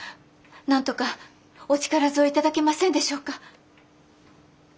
なんとかお力添えいただけませんでしょうか？